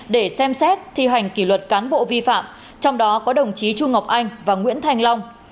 để xem xét thi hành kỷ luật cán bộ vi phạm trong đó có đồng chí chu ngọc anh và nguyễn thanh long